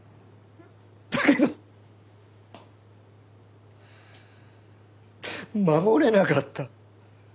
だけど守れなかった。